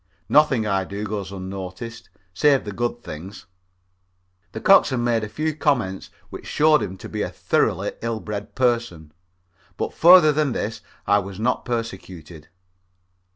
Nothing I do goes unnoticed, save the good things. The coxswain made a few comments which showed him to be a thoroughly ill bred person, but further than this I was not persecuted.